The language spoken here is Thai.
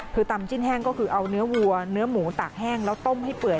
คือตำจิ้นแห้งก็คือเอาเนื้อวัวเนื้อหมูตากแห้งแล้วต้มให้เปื่อย